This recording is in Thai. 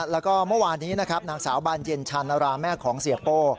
แล้วก็เมื่อวานนี้นะครับนางสาวบานเย็นชานราแม่ของเสียโป้